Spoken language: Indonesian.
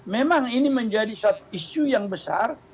memang ini menjadi satu isu yang besar